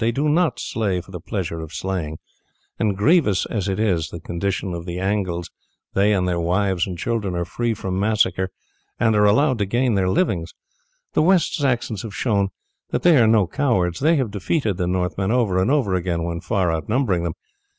They do not slay for the pleasure of slaying, and grievous as is the condition of the Angles they and their wives and children are free from massacre and are allowed to gain their livings. The West Saxons have showed that they are no cowards; they have defeated the Northmen over and over again when far outnumbering them.